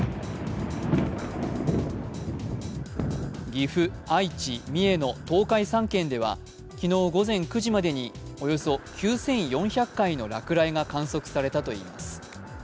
岐阜・愛知・三重の東海３県では昨日午前９時までにおよそ９４００回の落雷が観測されたといいます。